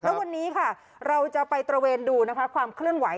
แล้ววันนี้ค่ะเราจะไปตระเวนดูนะคะความเคลื่อนไหว